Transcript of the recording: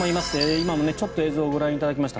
今もちょっと映像ご覧いただきました